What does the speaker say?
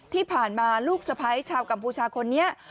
ที่ผ่านมาลูกสะพ้ายชาวกัมพูชาคนนี้